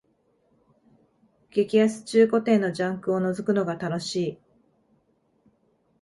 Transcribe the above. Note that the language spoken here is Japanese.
激安中古店のジャンクをのぞくのが楽しい